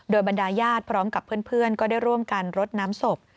โดยบรรดาญาติพร้อมกับเพื่อนก็ได้ร่วมกันรดน้ำศพ